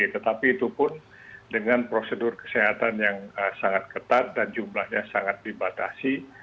tetapi itu pun dengan prosedur kesehatan yang sangat ketat dan jumlahnya sangat dibatasi